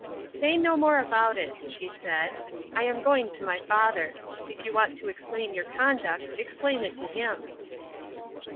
"Say no more about it," she said. "I am going to my father. If you want to explain your conduct, explain it to him."